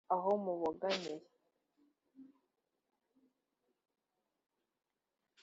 bashaka kujya mu buyobozi bw’igihugu